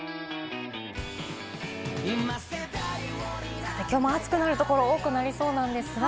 さて、きょうも暑くなるところが多くなりそうです。